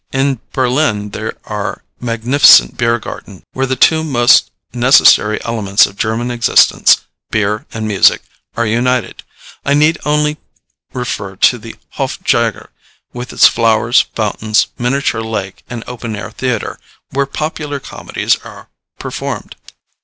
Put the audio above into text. In Berlin there are magnificent Biergärten, where the two most necessary elements of German existence, beer and music, are united. I need only refer to the Hof Jäger, with its flowers, fountains, miniature lake, and open air theatre, where popular comedies are performed.